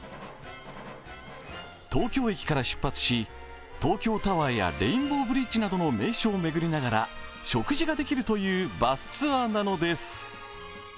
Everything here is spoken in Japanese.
東京駅から出発し東京タワーやレインボーブリッジなどの名所を巡りながら食事ができるというバスツアーなのです。